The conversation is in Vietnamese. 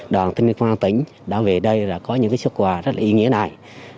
đoàn thanh niên công an tỉnh đã về đây là có những xuất quà rất là ý nghĩa này